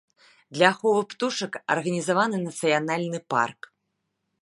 Для аховы птушак арганізаваны нацыянальны парк.